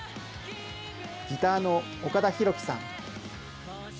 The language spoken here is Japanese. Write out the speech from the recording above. ギターの岡田広輝さん。